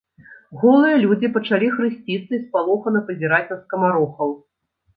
Голыя людзі пачалі хрысціцца і спалохана пазіраць на скамарохаў.